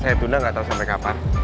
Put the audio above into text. saya tunda gak tau sampe kapan